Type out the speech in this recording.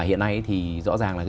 hiện nay thì rõ ràng là